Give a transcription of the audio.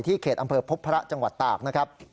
เขตอำเภอพบพระจังหวัดตากนะครับ